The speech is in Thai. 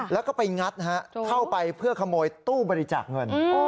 แล้วก็ไปงัดเข้าไปเพื่อขโมยตู้บริจาคเงิน